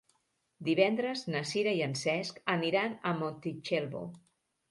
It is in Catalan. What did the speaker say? Divendres na Sira i en Cesc aniran a Montitxelvo.